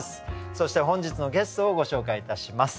そして本日のゲストをご紹介いたします。